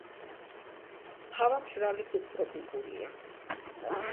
ჰავა მშრალი სუბტროპიკულია.